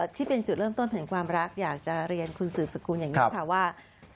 ที่เป็นจุดเริ่มต้นแห่งความรักอยากจะเรียนคุณสืบสกุลอย่างนี้ค่ะว่า